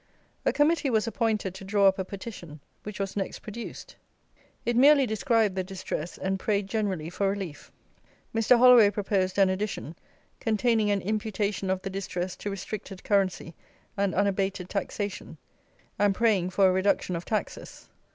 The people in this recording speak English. A Committee was appointed to draw up a petition, which was next produced. It merely described the distress, and prayed generally for relief. Mr. Holloway proposed an addition, containing an imputation of the distress to restricted currency and unabated taxation, and praying for a reduction of taxes.